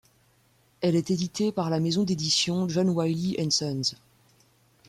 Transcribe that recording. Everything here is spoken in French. Elle est éditée par la maison d'édition John Wiley & Sons.